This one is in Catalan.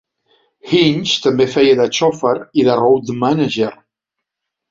Hinch també feia de xofer i de "road manager".